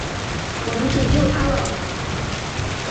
我们拯救他了！